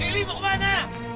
hey lily mau kemana